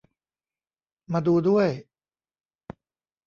มาดูด้วย